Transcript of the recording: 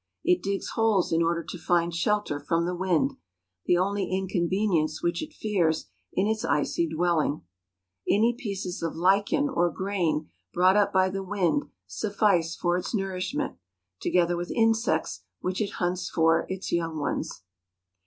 It digs holes in order to find shelter from the wind, the only inconvenience which it fears in its icy dwelling. Any pieces of lichen or grain brought up by the wind suffice for its nourish 316 MOUNTAIN ADVENTURES. ment, together with insects which it hunts for its young ones.